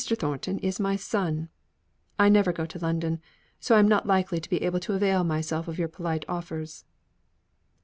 Thornton is my son. I never go to London; so I am not likely to be able to avail myself of your polite offers."